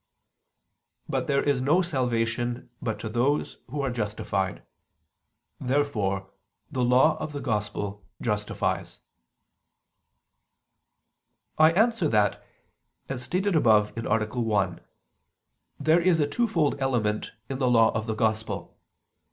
But there is no salvation but to those who are justified. Therefore the Law of the Gospel justifies. I answer that, As stated above (A. 1), there is a twofold element in the Law of the Gospel.